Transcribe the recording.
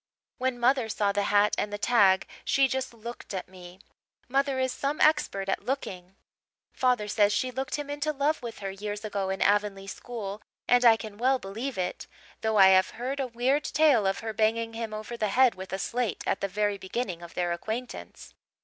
When mother saw the hat and the tag she just looked at me. Mother is some expert at looking. Father says she looked him into love with her years ago in Avonlea school and I can well believe it though I have heard a weird tale of her banging him over the head with a slate at the very beginning of their acquaintance.